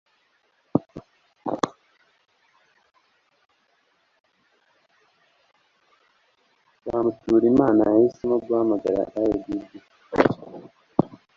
nzamuturimana yahisemo guhamagara RDB